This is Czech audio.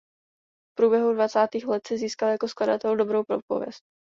V průběhu dvacátých let si získal jako skladatel dobrou pověst.